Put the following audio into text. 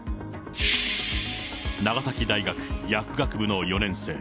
長崎大学薬学部の４年生。